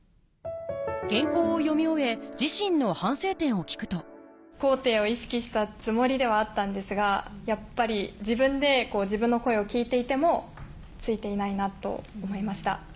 原稿を読み終え自身の反省点を聞くと高低を意識したつもりではあったんですがやっぱり自分で自分の声を聞いていてもついていないなと思いました。